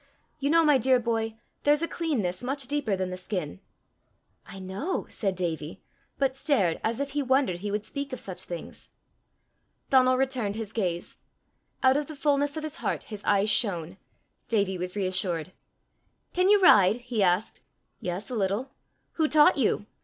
You know, my dear boy, there's a cleanness much deeper than the skin!" "I know!" said Davie, but stared as if he wondered he would speak of such things. Donal returned his gaze. Out of the fullness of his heart his eyes shone. Davie was reassured. "Can you ride?" he asked. "Yes, a little." "Who taught you?"